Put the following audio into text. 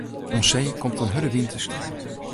Oan see komt in hurde wyn te stean.